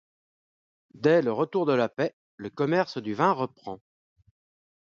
Dès le retour de la paix, le commerce du vin reprend.